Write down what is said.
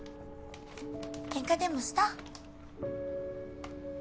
ケンカでもした？